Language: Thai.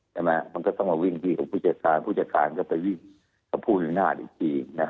ใช่ไหมมันก็ต้องมาวิ่งที่ของผู้จัดการผู้จัดการก็ไปวิ่งกับผู้มิวนาฬอีกทีนะ